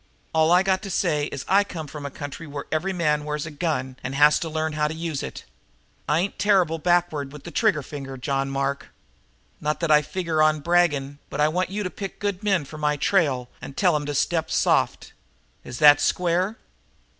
All I got to say is that I come from a county where every man wears a gun and has to learn how to use it. I ain't terrible backward with the trigger finger, John Mark. Not that I figure on bragging, but I want you to pick good men for my trail and tell 'em to step soft. Is that square?"